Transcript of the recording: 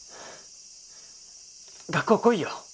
学校来いよ。